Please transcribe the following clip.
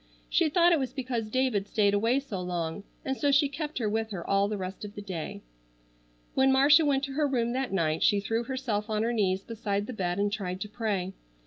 She thought it was because David stayed away so long, and so she kept her with her all the rest of the day. When Marcia went to her room that night she threw herself on her knees beside the bed and tried to pray.